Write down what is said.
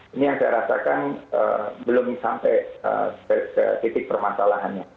ini yang saya rasakan belum sampai ke titik permasalahannya